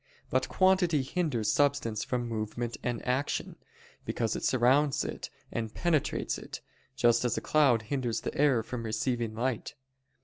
But quantity hinders substance from movement and action, because it surrounds it and penetrates it: just as a cloud hinders the air from receiving light.